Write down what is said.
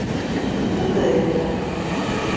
Так и это.